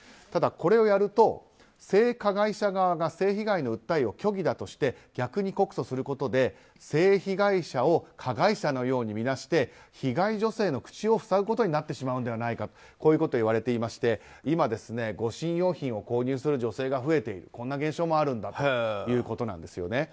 ただ、これをやると性加害者側が性被害の訴えを虚偽だとして逆に告訴することで姓被害者を加害者のように見なして被害女性の口を塞ぐことになってしまうのではないかこういうことが言われていまして今、護身用品を購入する女性が増えているこんな現象もあるんだということです。